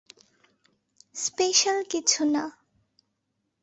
Special কিছু না।